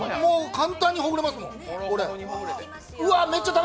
簡単にほぐれますもん。